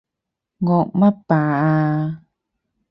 惡乜霸啊？